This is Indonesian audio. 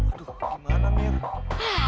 aduh gimana mir